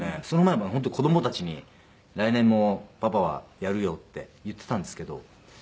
その前まで本当子どもたちに「来年もパパはやるよ」って言ってたんですけど。